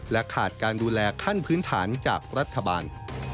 ขาดการดูแลขั้นพื้นฐานจากรัฐบาล